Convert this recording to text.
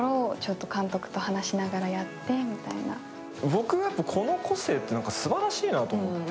僕は、この個性ってすばらしいなと思って。